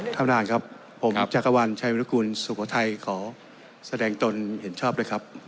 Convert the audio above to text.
ท่านครับครับผมจักรวรรณชายวินคุณสุขวัทย์ขอแสดงตนเห็นชอบเลยครับ